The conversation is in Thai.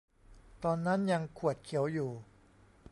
ตอนนั้นยังขวดเขียวอยู่